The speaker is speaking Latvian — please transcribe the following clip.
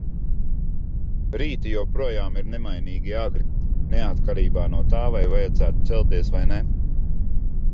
Rīti joprojām ir nemainīgi agri, neatkarībā no tā, vai vajadzētu celties, vai ne.